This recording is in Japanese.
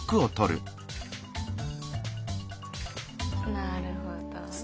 なるほど。